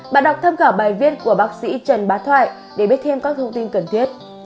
bạn đọc tham khảo bài viết của bác sĩ trần bá thoại để biết thêm các thông tin cần thiết